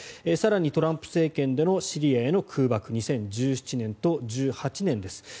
更に、トランプ政権でのシリアへの空爆２０１７年と１８年です。